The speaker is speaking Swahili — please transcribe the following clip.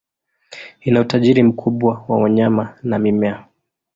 Ina utajiri mkubwa wa wanyama na mimea.